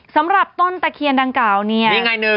สำหรับต้นตะเคียนดังกล่าวเนี่ย